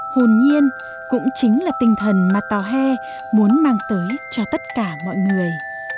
hùn nhiên cũng chính là tinh thần mà tòa he muốn mang tới cho tất cả mọi người